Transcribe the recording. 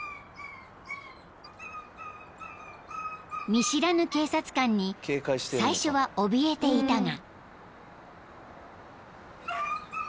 ［見知らぬ警察官に最初はおびえていたが］